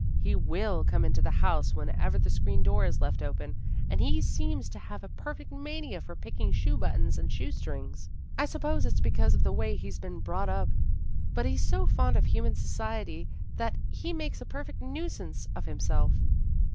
He will come into the house whenever the screen door is left open, and he seems to have a perfect mania for picking shoe buttons and shoe strings. I suppose it's because of the way he's been brought up, but he's so fond of human society that he makes a perfect nuisance of himself."